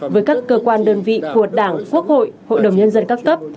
với các cơ quan đơn vị của đảng quốc hội hội đồng nhân dân các cấp